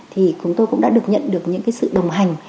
thì chúng tôi cũng đã được nhận được những sự đồng hành